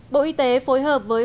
bộ y tế phối hợp với